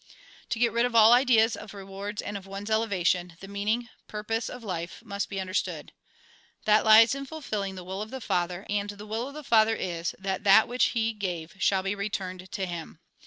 To get rid of all ideas of rewards and of one's elevation, the meaning, purpose, of life must be understood. That lies in fulfilling the will of the Father; and the will of the Father is, that that which He gave shall be returned to Him.